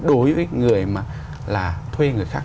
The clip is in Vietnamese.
đối với người mà là thuê người khác